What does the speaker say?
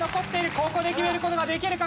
ここで決める事ができるか？